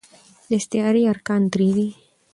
د استعارې ارکان درې دي.